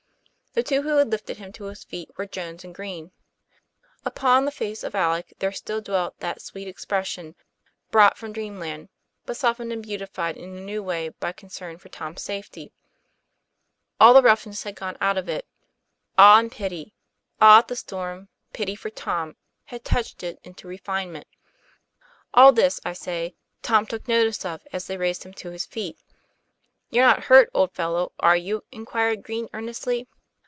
The two who had lifted him to his feet were Jones and Green. Upon the face of Alec there still dwelt that sweet expression, brought from dreamland, but softened and beautified in a new way by concern for Tom's safety. Green's face had strangely changed. All the roughness had gone out of it. Awe and pity awe at the storm, pity for Tom had touched it into refinement. All this, I say, Tom took notice of, as they raised him to his feet. "You're not hurt, old fellow, are you?" inquired Green earnestly.